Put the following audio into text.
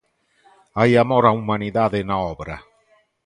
Hai amor á humanidade na obra.